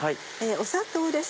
砂糖です。